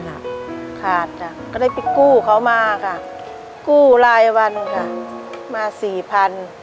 ขาดจ้ะก็ได้ไปกู้เขามาค่ะกู้รายวันค่ะมาสี่พัน